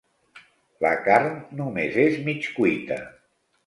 La carn només és mig cuita.